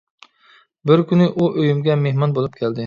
بىر كۈنى ئۇ ئۆيۈمگە مېھمان بولۇپ كەلدى.